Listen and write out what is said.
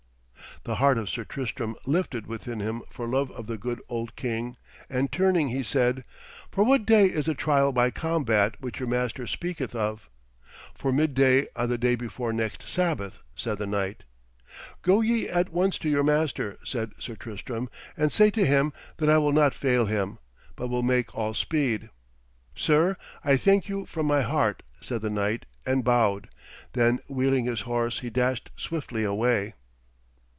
The heart of Sir Tristram lifted within him for love of the good old king, and turning, he said: 'For what day is the trial by combat which your master speaketh of?' 'For midday on the day before next Sabbath,' said the knight. 'Go ye at once to your master,' said Sir Tristram, 'and say to him that I will not fail him, but will make all speed.' 'Sir, I thank you from my heart,' said the knight, and bowed. Then wheeling his horse he dashed swiftly away.